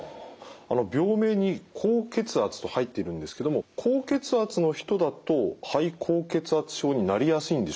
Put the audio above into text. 病名に高血圧と入ってるんですけども高血圧の人だと肺高血圧症になりやすいんでしょうか。